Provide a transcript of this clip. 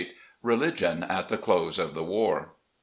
RELIGION AT THE CLOSE OF THE WAR.